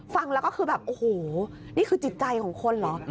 ฟังแล้วก็คือแบบโอ้โหนี่คือจิตใจของคนเหรอ